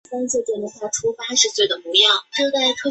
勒沙特列人口变化图示